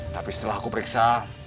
tapi setelah aku periksa